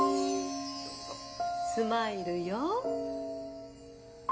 スマイルよ。